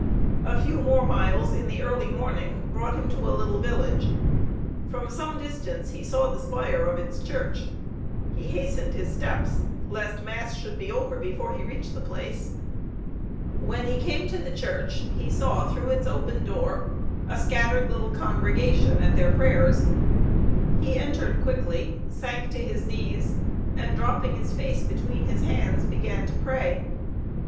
A few miles more in the early morning brought him to a little village. From some distance he saw the spire of its church. He hastened his steps, lest Mass should be over before he reached the place. When he came to the church, he saw through its open door a scattered little congregation at their prayers. He entered quickly, sank to his knees, and dropping his face between his hands began to pray.